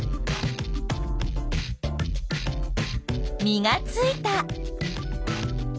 実がついた。